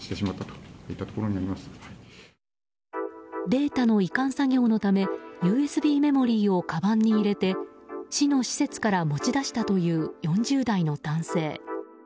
データの移管作業のためＵＳＢメモリーをかばんに入れて市の施設から持ち出したという４０代の男性。